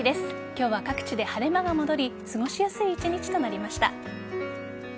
今日は各地で晴れ間が戻り過ごしやすい１日となりました。